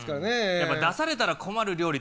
やっぱ出されたら困る料理っ